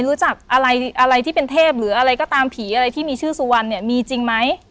รู้จักอะไรอะไรที่เป็นเทพหรืออะไรก็ตามผีอะไรที่มีชื่อสุวรรณเนี่ยมีจริงไหม